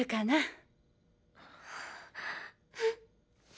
うん。